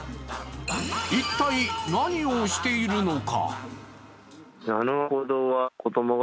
一体、何をしているのか。